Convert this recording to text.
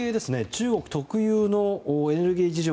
中国特有のエネルギー事情